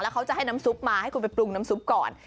เขาจะให้น้ำซุปมาให้คุณไปปรุงน้ำซุปก่อน